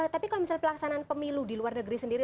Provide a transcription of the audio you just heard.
tapi kalau misalnya pelaksanaan pemilu di luar negeri sendiri